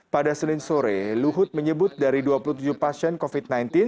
pada senin sore luhut menyebut dari dua puluh tujuh pasien covid sembilan belas